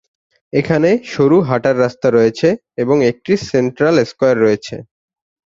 এখানে সরু হাঁটার রাস্তা রয়েছে এবং একটি সেন্ট্রাল স্কয়ার রয়েছে।